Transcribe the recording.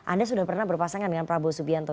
anda sudah pernah berpasangan dengan prabowo subianto